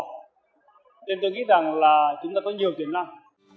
nên tôi nghĩ rằng là chúng ta có nhiều tiềm năng